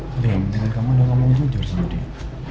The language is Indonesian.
paling penting kamu adalah kamu jujur sama dia